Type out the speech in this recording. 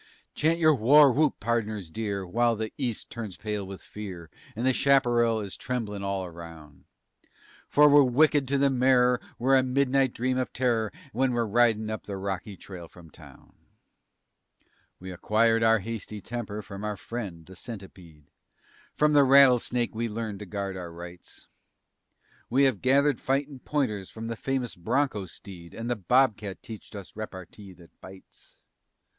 Chant your warwhoop, pardners dear, while the east turns pale with fear And the chaparral is tremblin' all aroun' For we're wicked to the marrer; we're a midnight dream of terror When we're ridin' up the rocky trail from town! We acquired our hasty temper from our friend, the centipede. From the rattlesnake we learnt to guard our rights. We have gathered fightin' pointers from the famous bronco steed And the bobcat teached us reppertee that bites.